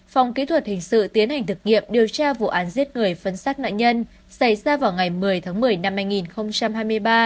phòng kỹ thuật hình sự tiến hành thực nghiệm điều tra vụ án giết người phân xác nạn nhân xảy ra vào ngày một mươi tháng một mươi năm hai nghìn hai mươi ba